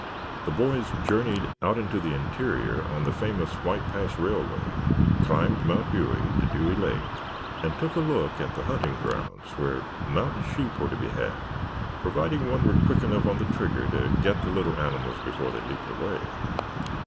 The boys journeyed out into the interior on the famous White Pass railway, climbed Mount Dewey to Dewey Lake, and took a look at the hunting grounds where mountain sheep were to be had providing one were quick enough on the trigger to get the little animals before they leaped away.